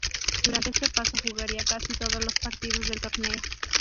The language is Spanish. Durante este paso jugaría casi todos los partidos del torneo.